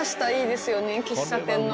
喫茶店の。